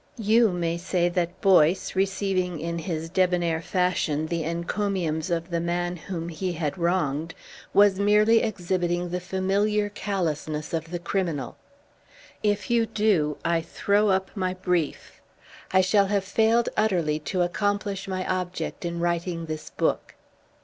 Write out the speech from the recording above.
You may say that Boyce, receiving in his debonair fashion the encomiums of the man whom he had wronged, was merely exhibiting the familiar callousness of the criminal. If you do, I throw up my brief. I shall have failed utterly to accomplish my object in writing this book.